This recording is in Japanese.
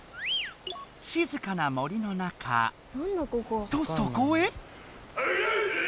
しずかな森の中とそこへ？